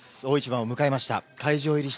大一番を迎えました。